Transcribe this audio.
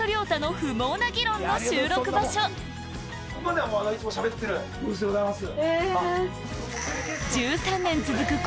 ここがいつもしゃべってるブースでございます。